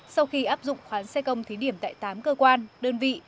sau khi áp dụng khoán xe công thí điểm tại tám cơ quan đơn vị